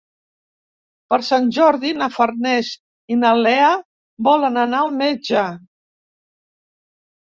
Per Sant Jordi na Farners i na Lea volen anar al metge.